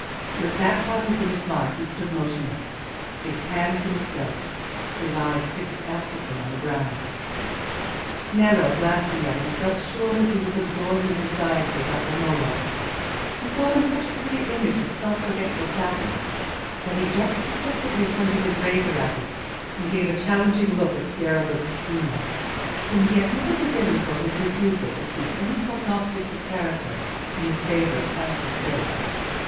With that project in his mind he stood motionless—his hands in his belt, his eyes fixed absently on the ground. Nello, glancing at him, felt sure that he was absorbed in anxiety about Romola, and thought him such a pretty image of self forgetful sadness, that he just perceptibly pointed his razor at him, and gave a challenging look at Piero di Cosimo, whom he had never forgiven for his refusal to see any prognostics of character in his favourite's handsome face.